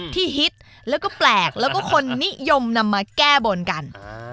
ฮิตแล้วก็แปลกแล้วก็คนนิยมนำมาแก้บนกัน